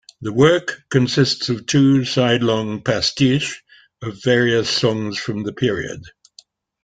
The work consists of two side-long pastiches of various songs from the period.